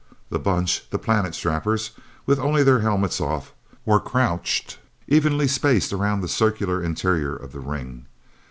The Bunch the Planet Strappers with only their helmets off, were crouched, evenly spaced, around the circular interior of the ring.